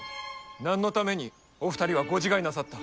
何のためにお二人はご自害なさった？